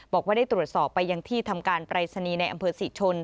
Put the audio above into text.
บอกว่าได้ตรวจสอบไปยังที่ทำการปรายศนีย์ในอำเภอศรีชน